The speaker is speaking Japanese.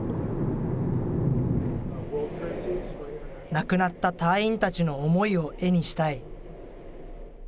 亡くなった隊員たちの思いを絵にしたい。